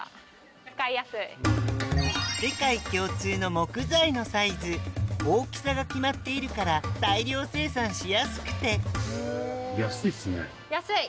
木材の大きさが決まっているから大量生産しやすくて安い。